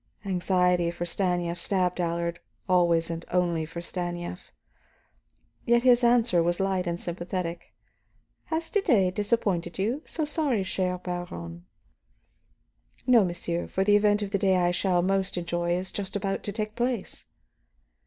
Anxiety for Stanief stabbed Allard, always and only for Stanief. Yet his answer was light and sympathetic: "Has to day disappointed you? So sorry, chèr Baron." "No, monsieur; for the event of the day I shall most enjoy is just about to take place."